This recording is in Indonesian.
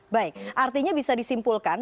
baik artinya bisa disimpulkan